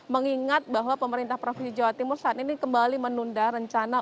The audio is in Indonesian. mengingat bahwa pemerintah provinsi jawa timur saat ini kembali menunda rencana